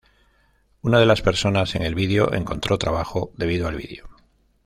Una de las personas en el video encontró trabajo debido al video.